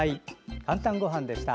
「かんたんごはん」でした。